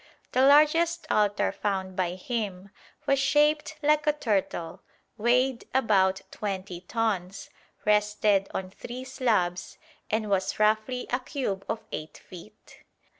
The largest altar found by him was shaped like a turtle, weighed about 20 tons, rested on three slabs, and was roughly a cube of 8 feet.